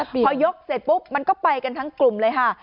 พอยกเสร็จปุ๊บมันก็ไปกันทั้งกลุ่มเลยค่ะ